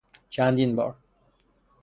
چندین بار